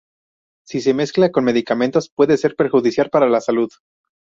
Si se mezcla con medicamentos puede ser perjudicial para la salud.